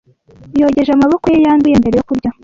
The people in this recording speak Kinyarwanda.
Yogeje amaboko ye yanduye mbere yo kurya.